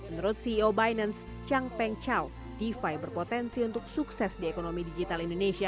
menurut ceo binance changpeng chow defi berpotensi untuk sukses di ekonomi digital indonesia